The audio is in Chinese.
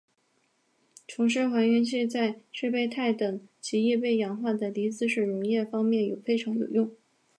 琼斯还原器在制备钛等极易被氧化的离子水溶液方面非常有用。